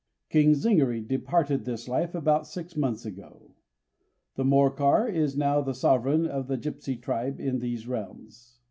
King Zingary departed this life about six months ago; and Morcar is now the sovereign of the Gipsy tribe in these realms.